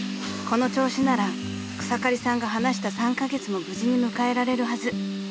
［この調子なら草刈さんが話した３カ月も無事に迎えられるはず］